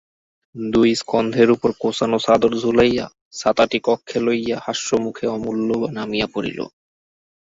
দুই স্কন্ধের উপর কোঁচানো চাদর ঝুলাইয়া ছাতাটি কক্ষে লইয়া হাস্যমুখে অমূল্য নামিয়া পড়িল।